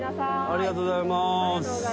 ありがとうございます。